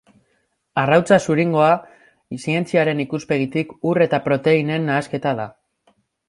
Arrautza-zuringoa, zientziaren ikuspegitik, ur eta proteinen nahasketa da.